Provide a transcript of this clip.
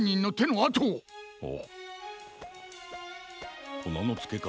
ああ。